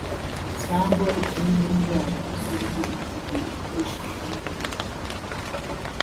cyangwa izindi ndwara z’uruhu igihe ikoreshejwe nabi